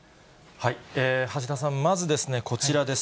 橋田さん、まずですね、こちらです。